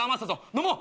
飲もう。